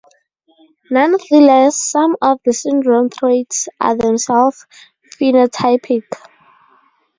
Nonetheless some of the syndrome traits are themselves phenotypic.